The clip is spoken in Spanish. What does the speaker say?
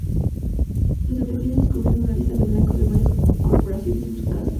Los detectives descubrieron una lista de blancos de varias corporaciones en su casa.